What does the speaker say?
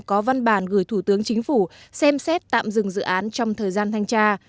có văn bản gửi thủ tướng chính phủ xem xét tạm dừng dự án trong thời gian thanh tra